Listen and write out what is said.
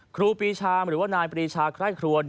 ครูปีชาหรือว่านายปรีชาไคร่ครัว